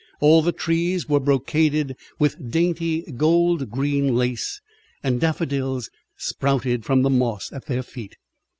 All the trees were brocaded with dainty, gold green lace, and daffodils sprouted from the moss at their feet.